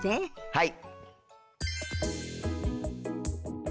はい。